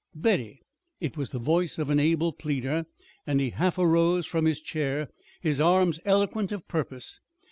"Betty!" It was the voice of an able pleader and he half arose from his chair, his arms eloquent of purpose.